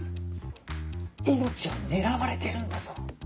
命を狙われてるんだぞ